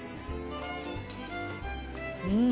うん！